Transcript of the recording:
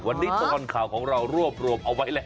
วันนี้ตลอดข่าวของเรารวบรวมเอาไว้แล้ว